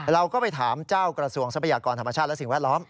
เราก็ไปถามเจ้ากระทรวงทรัพยากรธรรมชาติและสิ่งแวดล้อม